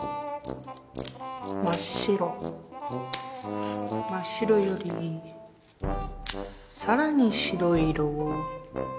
真っ白真っ白より更に白い色。